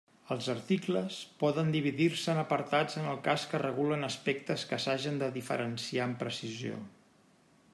Els articles poden dividir-se en apartats en el cas que regulen aspectes que s'hagen de diferenciar amb precisió.